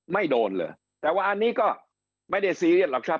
ไม่โดนเลยแต่ว่าอันนี้ก็ไม่ได้ซีเรียสหรอกครับ